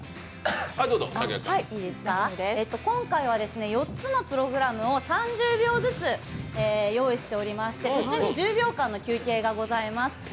今回は４つのプログラムを３０秒ずつ用意しておりまして途中に１０秒間の休憩がございます。